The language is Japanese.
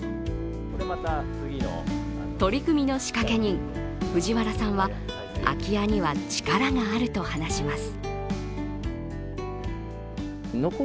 取り組みの仕掛け人、藤原さんは空き家には力があると話します。